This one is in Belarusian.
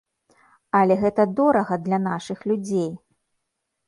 Але гэта дорага для нашых людзей!